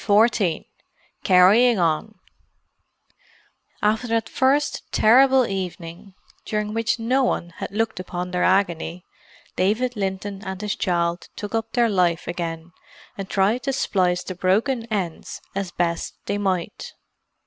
CHAPTER XIV CARRYING ON After that first terrible evening, during which no one had looked upon their agony, David Linton and his child took up their life again and tried to splice the broken ends as best they might.